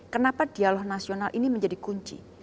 kenapa dialog nasional ini menjadi kunci